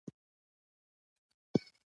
اقلیم د افغانستان د بڼوالۍ برخه ده.